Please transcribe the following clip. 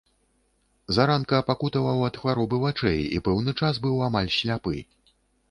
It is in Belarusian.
Заранка пакутаваў ад хваробы вачэй і пэўны час быў амаль сляпы.